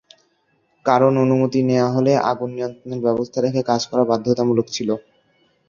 কারণ, অনুমতি নেওয়া হলে আগুন নিয়ন্ত্রণের ব্যবস্থা রেখে কাজ করা বাধ্যতামূলক ছিল।